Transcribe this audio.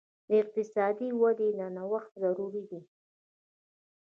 د اقتصاد ودې ته نوښت ضروري دی.